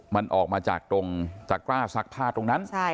มันออกมาจากตรงจากกล้าซักผ้าตรงนั้นครับ